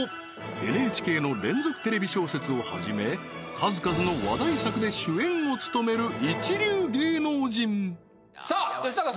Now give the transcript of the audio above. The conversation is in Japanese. ＮＨＫの連続テレビ小説をはじめ数々の話題作で主演を務める一流芸能人さあ吉高様